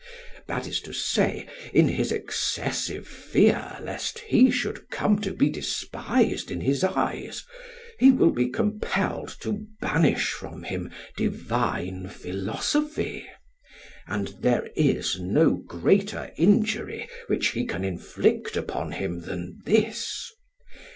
That is to say, in his excessive fear lest he should come to be despised in his eyes he will be compelled to banish from him divine philosophy; and there is no greater injury which he can inflict upon him than this.